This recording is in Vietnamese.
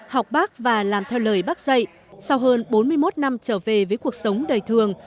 học bác và làm theo lời bác dạy sau hơn bốn mươi một năm trở về với cuộc sống đời thường